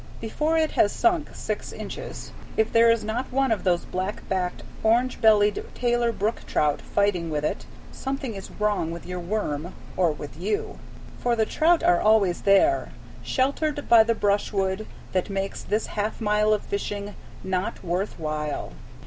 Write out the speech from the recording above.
Before it has sunk six inches, if there is not one of those black backed, orange bellied, Taylor Brook trout fighting with it, something is wrong with your worm or with you. For the trout are always there, sheltered by the brushwood that makes this half mile of fishing "not worth while."